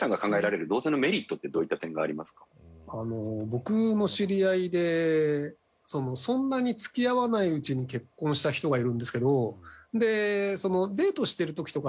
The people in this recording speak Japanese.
僕の知り合いでそんなに付き合わないうちに結婚した人がいるんですけど。